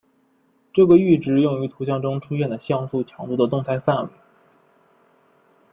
这个阈值用于图像中出现的像素强度的动态范围。